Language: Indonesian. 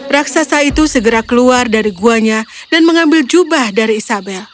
raksasa itu segera keluar dari guanya dan mengambil jubah dari isabel